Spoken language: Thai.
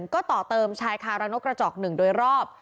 ก็ต่อเติมชายคารังนกกระจอก๑โดยรอบ